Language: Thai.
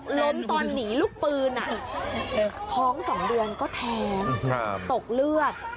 ล้มตอนหนีลูกปืนท้อง๒เดือนก็แท้งตกเลือด